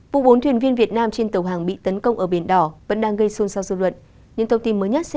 vụ bốn thuyền viên việt nam trên tàu hàng bị tấn công ở biển đỏ vẫn đang gây xôn xao dư luận